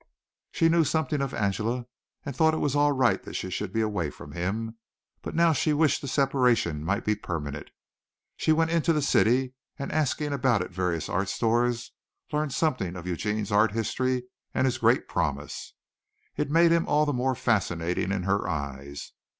She knew something of Angela and thought it was all right that she should be away from him, but now she wished the separation might be permanent. She went into the city and asking about at various art stores learned something of Eugene's art history and his great promise. It made him all the more fascinating in her eyes.